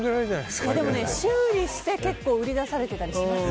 でもね、修理して結構売り出されてたりしますよ。